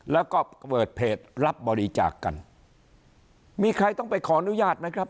แล้วก็เปิดเพจรับบริจาคกันมีใครต้องไปขออนุญาตไหมครับ